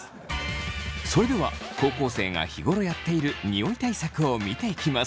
それでは高校生が日頃やっているニオイ対策を見ていきます。